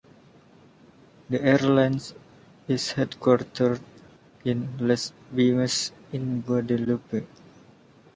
The airline is headquartered in Les Abymes in Guadeloupe.